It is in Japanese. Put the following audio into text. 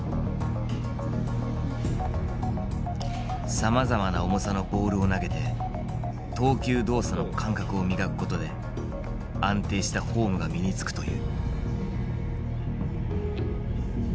さまざまな重さのボールを投げて投球動作の感覚を磨くことで安定したフォームが身につくという。